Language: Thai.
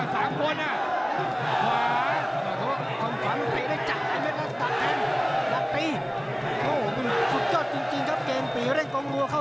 มองพี่เลี้ยง